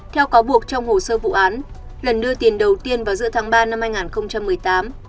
theo cáo buộc trong hồ sơ vụ án lần đưa tiền đầu tiên vào giữa tháng ba năm hai nghìn một mươi tám